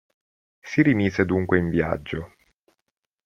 Si rimise dunque in viaggio.